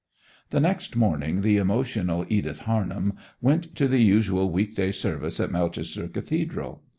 The next morning the emotional Edith Harnham went to the usual week day service in Melchester cathedral.